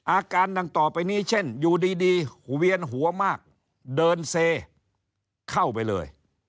อาการดังต่อไปนี้เช่นอยู่ดีเวียนหัวมากเดินเซเข้าไปเลย